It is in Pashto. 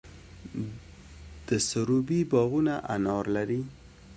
د سروبي باغونه انار لري.